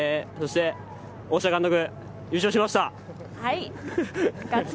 そして大島監督、優勝しました。